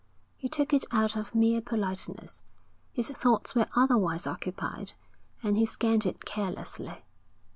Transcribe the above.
He took it out of mere politeness. His thoughts were otherwise occupied, and he scanned it carelessly.